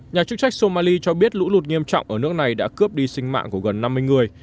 nhà chức trách somali cho biết lũ lụt nghiêm trọng ở nước này đã cướp đi sinh mạng của gần năm mươi người